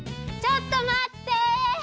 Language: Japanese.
ちょっとまって！